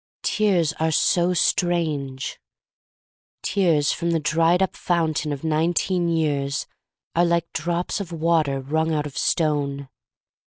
Tears are so strange! Tears from the dried up fountain of nineteen years are like drops of water wrung out of stone.